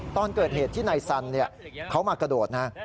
ตอนเกิดเหตุที่นายสันเขามากระโดดนะ